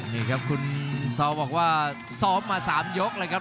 นี่ครับคุณซอลบอกว่าซ้อมมา๓ยกเลยครับ